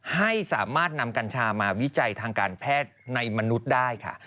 ให้สามารถนำกัญชามาวิจัยทางการแพทย์ในมนุษย์ได้ค่ะ